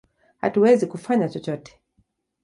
Hatuwezi kufanya chochote!